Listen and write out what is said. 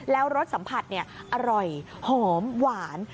แล้วรสสัมผัสอร่อยหอมหวาน